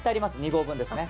２合分ですね。